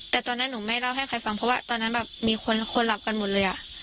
แต่ตอนนั้นหนูไม่เล่าให้ใครฟังเพราะว่าตอนนั้นแบบมีคนหลับกันหมดเลยอ่ะ